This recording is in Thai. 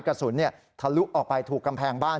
กระสุนทะลุออกไปถูกกำแพงบ้าน